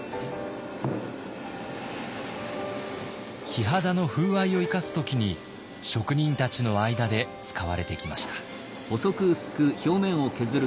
木肌の風合いを生かす時に職人たちの間で使われてきました。